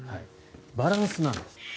バランスなんです。